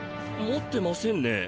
持ってませんね。